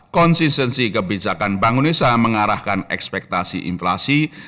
konsistensi kebijakan bank indonesia mengarahkan ekspektasi inflasi